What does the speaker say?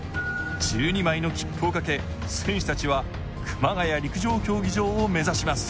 １２枚の切符をかけ、選手たちは熊谷陸上競技場を目指します。